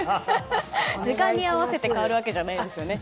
時間に合わせて変わるわけじゃないですよね？